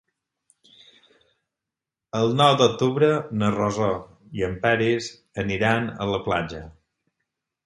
El nou d'octubre na Rosó i en Peris aniran a la platja.